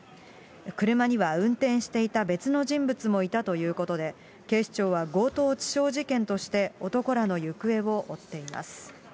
車には運転していた別の人物もいたということで、警視庁は強盗致傷事件として男らの行方を追っています。